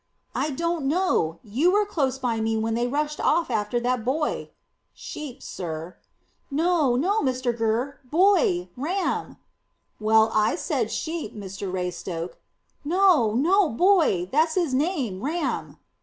"I don't know. You were close by me when they rushed off after that boy." "Sheep, sir." "No, no, Mr Gurr; boy Ram." "Well, I said sheep, Mr Raystoke." "No, no, boy; that's his name Ram."